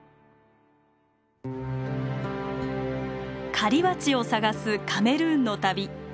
狩りバチを探すカメルーンの旅。